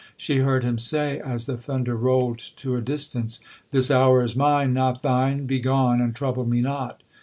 She heard him say, as the thunder rolled to a distance, 'This hour is mine, not thine—begone, and trouble me not.'